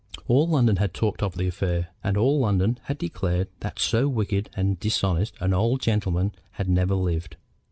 All London had talked of the affair, and all London had declared that so wicked and dishonest an old gentleman had never lived.